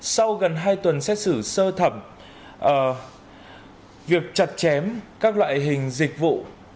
sau gần hai tuần xét xử sơ thẩm việc chặt chém các loại hình dịch vụ